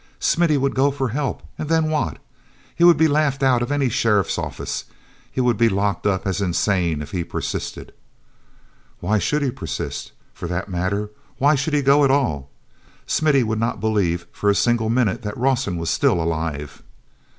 Smithy would go for help, and then what? He would be laughed out of any sheriff's office; he would be locked up as insane if he persisted. Why should he persist—for that matter, why should he go at all? Smithy would not believe for a single minute that Rawson was still alive.